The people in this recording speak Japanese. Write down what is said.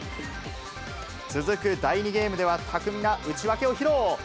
続く第２ゲームでは巧みな打ち分けを披露。